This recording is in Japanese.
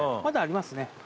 まだありますね。